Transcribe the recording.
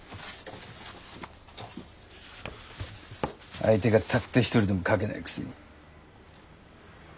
相手がたった一人でも書けないくせに。